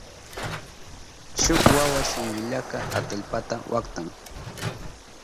Shuk wawa shunkillaka atallpata waktan.